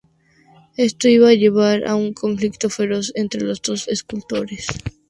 Esto iba a llevar a un conflicto feroz entre los dos escultores.